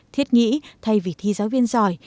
thiết nghĩ thay vì thi giáo viên giỏi